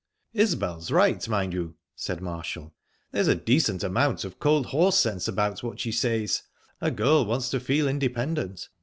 "Isbel's right, mind you," said Marshall. "There's a decent amount of cold horse sense about what she says. A girl wants to feel independent.